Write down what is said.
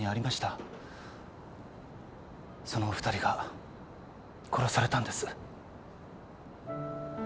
そのお二人が殺されたんです。